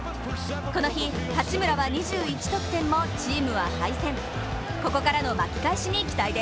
この日、八村は２１得点もチームは敗戦。